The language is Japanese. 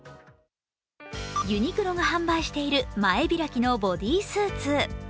ユニクロが販売している前開きのボディスーツ。